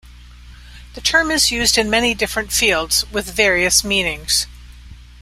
The term is used in many different fields, with various meanings.